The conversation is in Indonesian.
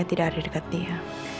tidak ada dekat dia